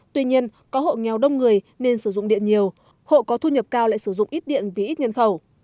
tuy nhiên có hộ nghèo đông người nên sử dụng điện nhiều hộ có thu nhập cao lại sử dụng ít điện vì ít nhân khẩu